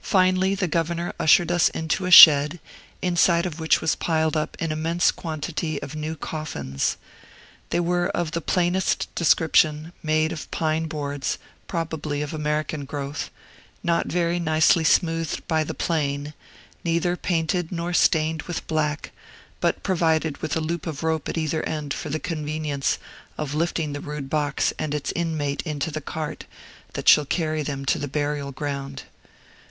Finally, the governor ushered us into a shed, inside of which was piled up an immense quantity of new coffins. They were of the plainest description, made of pine boards, probably of American growth, not very nicely smoothed by the plane, neither painted nor stained with black, but provided with a loop of rope at either end for the convenience of lifting the rude box and its inmate into the cart that shall carry them to the burial ground.